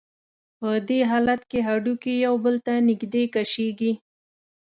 په دې حالت کې هډوکي یو بل ته نږدې کش کېږي.